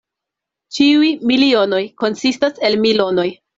Ĉiuj milionoj konsistas el milonoj.